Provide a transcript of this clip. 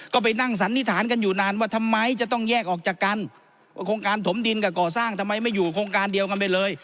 ก็ไปนั่งสันนิษฐานกันอยู่นานว่าทำไมจะต้องแยกออกจากกันว่าโครงการถมดินกับก่อสร้างทำไมไม่อยู่โครงการเดียวกันไปเลย